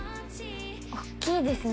大っきいですね